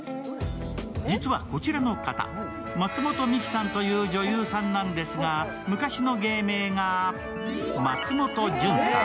実はこちらの方、松本海希さんという女優さんなんですが昔の芸名が松本じゅんさん。